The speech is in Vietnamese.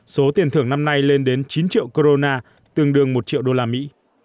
số tiền thưởng năm nay lên đến chín triệu corona tương đương một triệu đô la mỹ